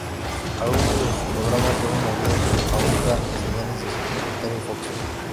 Algunos de sus programas fueron movidos a otras señales de su propietario, Foxtel.